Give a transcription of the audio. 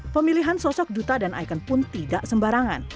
pemilihan sosok duta dan ikon pun tidak sembarangan